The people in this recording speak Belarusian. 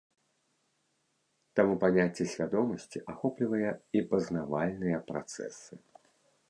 Таму паняцце свядомасці ахоплівае і пазнавальныя працэсы.